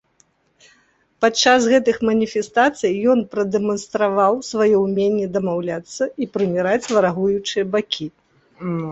Падчас гэтых маніфестацый ён прадэманстраваў сваё ўменне дамаўляцца і прыміраць варагуючыя бакі.